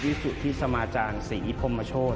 วิสุทธิสมาจารย์ศรีอิพมโมโชธ